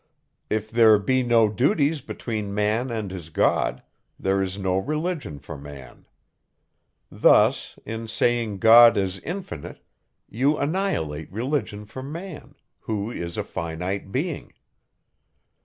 If there be no duties between man and his God, there is no religion for man. Thus, in saying God is infinite, you annihilate religion for man, who is a finite being.